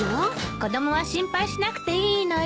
子供は心配しなくていいのよ。